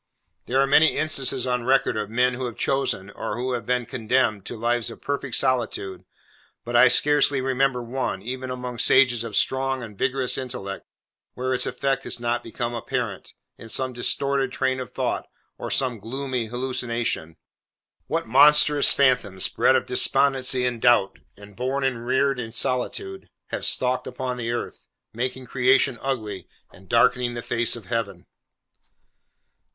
There are many instances on record, of men who have chosen, or have been condemned, to lives of perfect solitude, but I scarcely remember one, even among sages of strong and vigorous intellect, where its effect has not become apparent, in some disordered train of thought, or some gloomy hallucination. What monstrous phantoms, bred of despondency and doubt, and born and reared in solitude, have stalked upon the earth, making creation ugly, and darkening the face of Heaven!